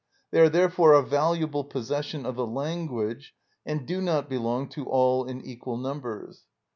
They are therefore a valuable possession of a language, and do not belong to all in equal numbers.